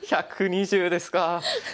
１２０ですか。